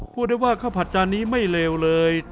พูดได้ว่าข้าวผัดจานนี้ไม่เลวเลย